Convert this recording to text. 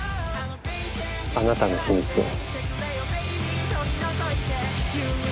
あなたの秘密を。